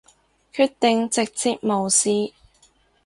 決定直接無視